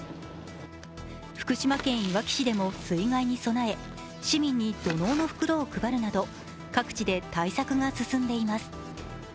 福島県いわき市でも水害に備え市民に土のうの袋を配るなど各地で対策が進んでいます。